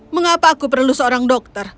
mengapa aku perlu seorang dokter